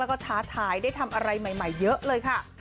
แล้วก็ท้าทายได้ทำอะไรใหม่เยอะเลยค่ะ